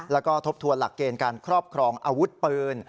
แล้วก็ทบทวนหลักเกณฑ์การครอบครองอาวุธปืน